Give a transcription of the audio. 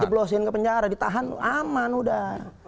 dijeblosin ke penjara ditahan aman udah